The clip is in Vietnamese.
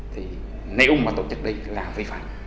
thì nếu mà tổ chức đi thì là vi phạm